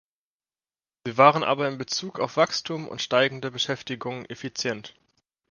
Sie waren aber in Bezug auf Wachstum und steigende Beschäftigung effizient.